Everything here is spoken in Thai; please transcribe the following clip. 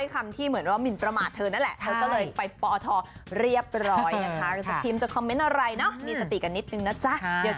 กันสักทีมจะคอมเมนต์อะไรเนาะมีสติกันนิดนึงนะจ๊ะ